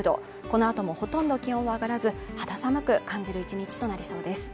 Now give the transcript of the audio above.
このあともほとんど気温は上がらず肌寒く感じる１日となりそうです